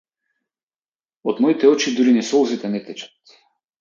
Од моите очи дури ни солзите не течат.